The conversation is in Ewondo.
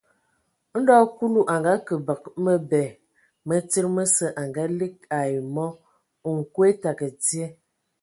Ndɔ Kulu a ngake bǝgǝ mǝbɛ mǝ tsíd mǝsǝ a ngaligi ai mɔ : nkwe tǝgǝ dzye.